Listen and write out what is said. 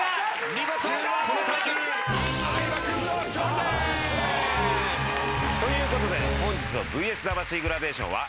見事この対決相葉君の勝利です！ということで本日の『ＶＳ魂』グラデーションは。